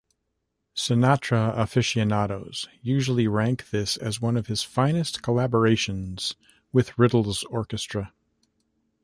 Sinatra aficionados usually rank this as one of his finest collaborations with Riddle's orchestra.